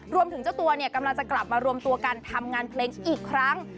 รวมถึงเจ้าตัวกำลังจะกลับมารวมตัวกันทำงานเพลงอีกครั้ง